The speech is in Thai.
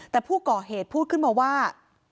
แต่ผู้ก่อเหตุพูดขึ้นมาว่า